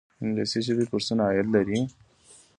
د انګلیسي ژبې کورسونه عاید لري؟